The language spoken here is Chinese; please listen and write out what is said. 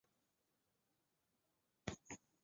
圣昂德雷德瓦尔博尔尼。